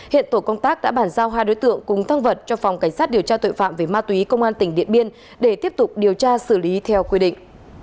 hiện tổ công tác đã bản giao hai đối tượng cùng thăng vật cho phòng cảnh sát điều tra tội phạm về ma túy công an tỉnh điện biên để tiếp tục điều tra xử lý theo quy định